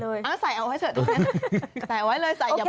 เอาใส่เอาไว้เฉยใส่เอาไว้เลยใส่อย่าพูด